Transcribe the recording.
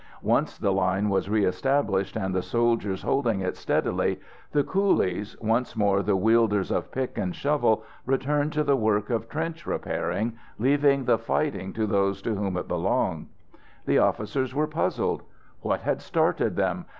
Once the line was re established and the soldiers holding it steadily, the coolies, once more the wielders of pick and shovel, returned to the work of trench repairing, leaving the fighting to those to whom it belonged. The officers were puzzled. What had started them?